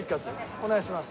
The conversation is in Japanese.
お願いします。